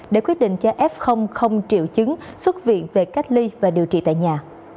để quyết định cho f không triệu chứng xuất viện về cách ly và điều trị tại nhà